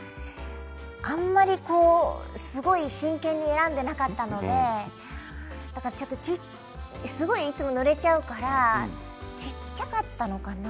あんまり、こう真剣に選んでなかったのですごい、いつもぬれちゃうから小っちゃかったのかな。